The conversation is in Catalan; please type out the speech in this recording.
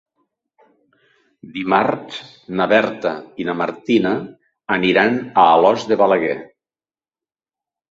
Dimarts na Berta i na Martina aniran a Alòs de Balaguer.